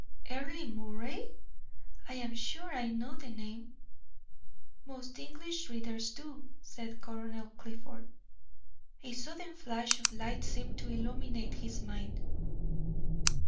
"Earle Moray! I am sure I know the name." "Most English readers do," said Colonel Clifford. A sudden flash of light seemed to illuminate his mind.